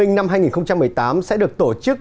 linh năm hai nghìn một mươi tám sẽ được tổ chức